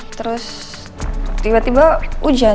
terus tiba tiba hujan